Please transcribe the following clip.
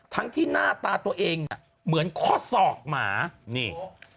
ทั้งที่หน้าตาตัวเองน่ะเหมือนข้อศอกหมานี่